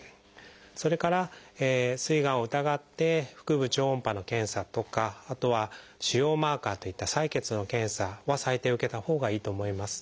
それからすいがんを疑って腹部超音波の検査とかあとは腫瘍マーカーといった採血の検査は最低受けたほうがいいと思います。